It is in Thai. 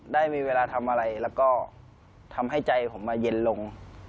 ได้มีเวลาทำอะไรแล้วก็ทำให้ใจผมมาเย็นลง